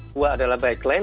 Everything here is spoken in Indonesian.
dua adalah bike lane